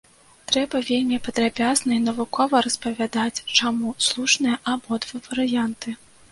Трэба вельмі падрабязна і навукова распавядаць, чаму слушныя абодва варыянты.